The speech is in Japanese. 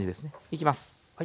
いきます。